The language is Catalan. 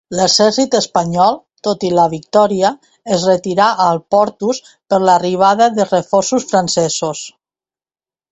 L'exèrcit espanyol, tot i la victòria, es retirà al Portús per l'arribada de reforços francesos.